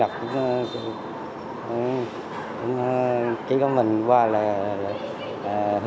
đã kêu gọi hỗ trợ giúp đỡ bà con vượt qua dịch bệnh